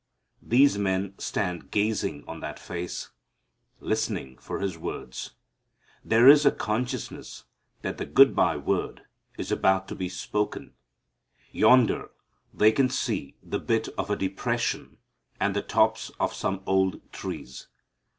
These men stand gazing on that face, listening for His words. There is a consciousness that the goodbye word is about to be spoken. Yonder they can see the bit of a depression and the tops of some old trees.